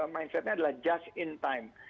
mindsetnya adalah just in time